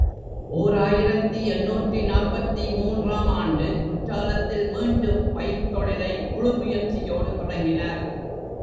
ஓர் ஆயிரத்து எண்ணூற்று நாற்பத்து மூன்று ஆம் ஆண்டு குற்றாலத்தில் மீண்டும் பயிர்த் தொழிலை முழுமுயற்சியோடு தொடங்கினார்.